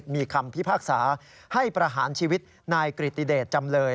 มีคำพิพากษาให้ประหารชีวิตนายกริติเดชจำเลย